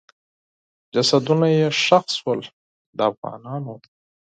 جسدونه چې ښخ سول، د افغانانو وو.